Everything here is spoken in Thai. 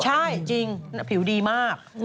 ใช่จริงผิวดีมาก